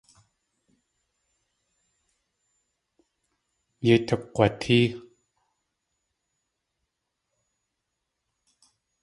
Yéi tukg̲watée.